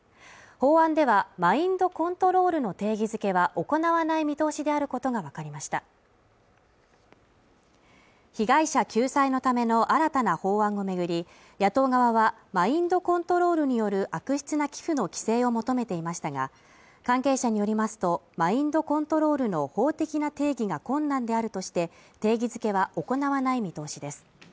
法案ではマインドコントロールの定義付けは行わない見通しであることが分かりました被害者救済のための新たな法案を巡り野党側はマインドコントロールによる悪質な寄付の規制を求めていましたが関係者によりますとマインドコントロールの法的な定義が困難であるとして定義付けは行わない見通しです